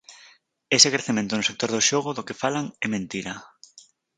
Ese crecemento no sector do xogo do que falan é mentira.